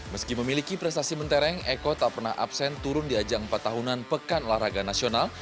meski memiliki prestasi mentereng eko tak pernah absen turun di ajang empat tahunan pekan olahraga nasional